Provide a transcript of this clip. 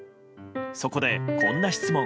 そこで、こんな質問。